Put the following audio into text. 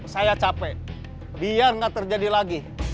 saya capek biar nggak terjadi lagi